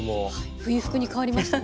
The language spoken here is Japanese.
冬服に変わりましたね。